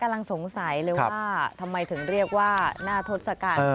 กำลังสงสัยเลยว่าทำไมถึงเรียกว่าหน้าทศกัณฐ์